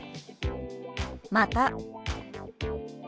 「また」。